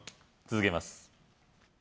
続けます